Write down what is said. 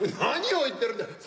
何を言ってるんだ。